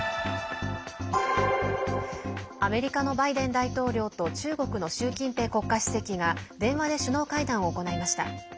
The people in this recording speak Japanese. アメリカのバイデン大統領と中国の習近平国家主席が電話で首脳会談を行いました。